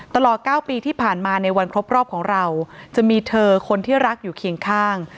ตลอด๙ปีที่ผ่านมาในวันครบรอบของเราจะมีเธอคนที่รักอยู่เคียงข้าง